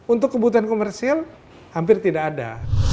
untuk kebutuhan komersil hampir tidak ada